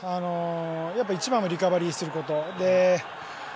やっぱり一番はリカバリーすること。